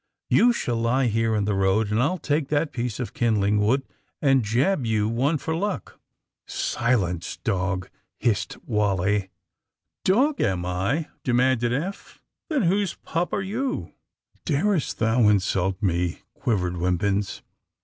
^^You shall lie here in the road and I'll take that piece of kindling wood and jab you one for luck.'^ '* Silence, dog!" hissed Wally. AND THE SMUGGLEES 183 ^^Dog, am I?" demanded Eph, ^^Then whose pup are youT' '^Darest thou insult me?" quivered Wimpins.